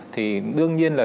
thì đương nhiên là